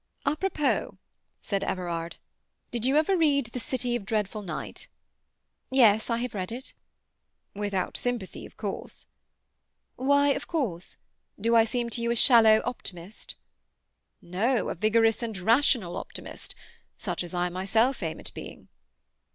"A propos," said Everard, "did you ever read "The City of Dreadful Night"?" "Yes, I have read it." "Without sympathy, of course?" "Why "of course"? Do I seem to you a shallow optimist?" "No. A vigorous and rational optimist—such as I myself aim at being."